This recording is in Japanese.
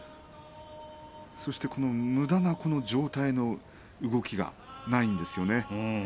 そしてむだな上体の動きがないんですよね。